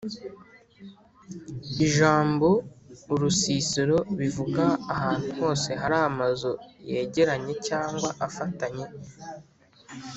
ijambo’’urusisiro’’bivuga ahantu hose hari amazu yegeranye cyangwa afatanye